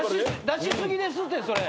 出し過ぎですってそれ。